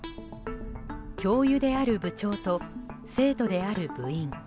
教諭である部長と生徒である部員。